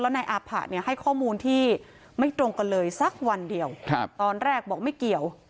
นายอาผะเนี่ยให้ข้อมูลที่ไม่ตรงกันเลยสักวันเดียวตอนแรกบอกไม่เกี่ยว